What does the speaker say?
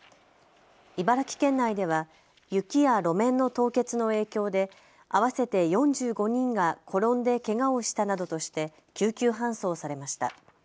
茨城県内では雪や路面の凍結の影響で合わせて４５人が転んでけがをしたなどとして救急搬送されました。